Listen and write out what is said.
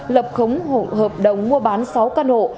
lập khống hộp đồng mua bán sáu căn hộ